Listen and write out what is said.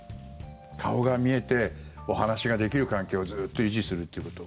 顔が見えて、お話ができる関係をずっと維持するということ。